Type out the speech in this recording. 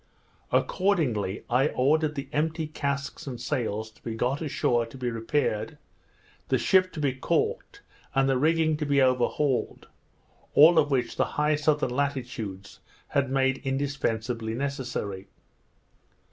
Accordingly I ordered the empty casks and sails to be got ashore to be repaired; the ship to be caulked, and the rigging to be overhauled; all of which the high southern latitudes had made indispensably necessary.